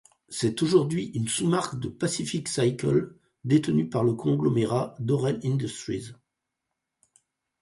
C'est aujourd'hui une sous marque de Pacific Cycle, détenue par le conglomérat Dorel Industries.